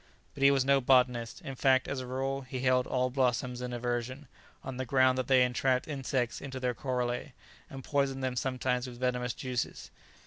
But he was no botanist; in fact, as a rule, he held all blossoms in aversion, on the ground that they entrapped insects into their corollæ, and poisoned them sometimes with venomous juices.